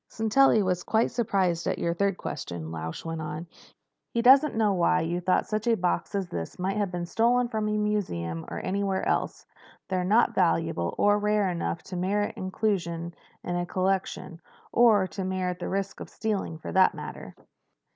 "Sintelli was quite surprised at your third question," Lausch went on. "He doesn't know why you thought such a box as this might have been stolen from a museum or anywhere else. They're not valuable or rare enough to merit inclusion in a collection—or to merit the risk of stealing, for that matter."